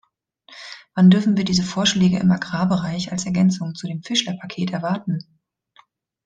Wann dürfen wir diese Vorschläge im Agrarbereich als Ergänzung zu dem Fischler-Paket erwarten?